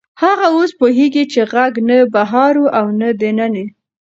هغه اوس پوهېږي چې غږ نه بهر و او نه دننه.